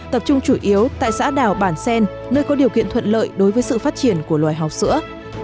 tập trung chủ yếu tại xã đào bản xen nơi có điều kiện thuận lợi đối với sự phát triển của loài hào sữa